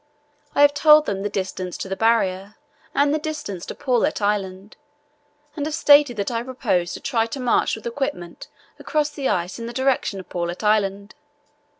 I have told them the distance to the Barrier and the distance to Paulet Island, and have stated that I propose to try to march with equipment across the ice in the direction of Paulet Island.